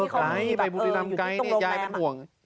ไกลไปบุรีรำไกลนี่ยายเป็นห่วง